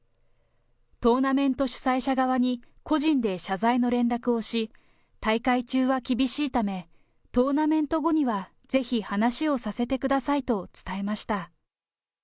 トーナメント主催者側に、個人で謝罪の連絡をし、大会中は厳しいため、トーナメント後にはぜひ話をさせてくださいと伝えました。